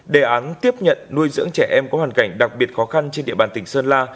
đề án tiếp nhận nuôi dưỡng trẻ em có hoàn cảnh đặc biệt khó khăn trên địa bàn tỉnh sơn la